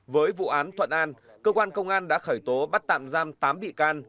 với vụ án thuận an cơ quan công an đã khởi tố bắt tạm giam tám bị can